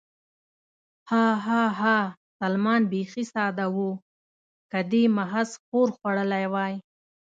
ها، ها، ها، سلمان بېخي ساده و، که دې محض ښور خوړلی وای.